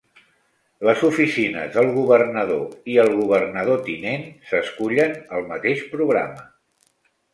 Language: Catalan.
Les oficines del governador i el governador tinent s'escullen al mateix programa.